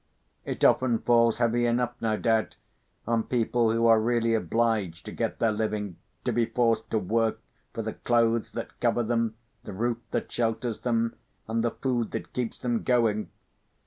It often falls heavy enough, no doubt, on people who are really obliged to get their living, to be forced to work for the clothes that cover them, the roof that shelters them, and the food that keeps them going.